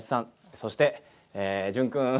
そして潤君。